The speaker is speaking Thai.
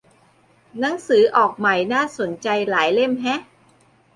หนังสือออกใหม่น่าสนใจหลายเล่มแฮะ